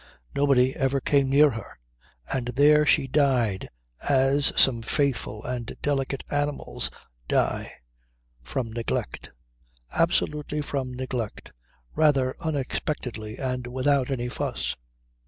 Nobody ever came near her. And there she died as some faithful and delicate animals die from neglect, absolutely from neglect, rather unexpectedly and without any fuss.